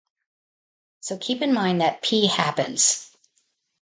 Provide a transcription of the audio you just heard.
So keep in mind that "p" happens".